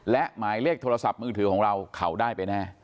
และหมายเลขโทรศัพท์มือถือของเราเขาได้ไปแน่